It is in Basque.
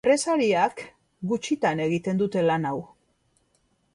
Enpresariak gutxitan egiten dute lan hau.